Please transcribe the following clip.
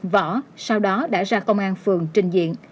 võ sau đó đã ra công an